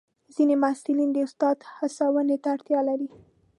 ځینې محصلین د استاد هڅونې ته اړتیا لري.